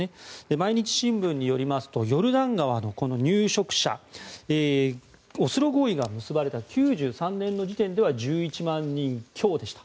毎日新聞によりますとヨルダン川の入植者オスロ合意が結ばれた１９９３年の時点では１１万人強でした。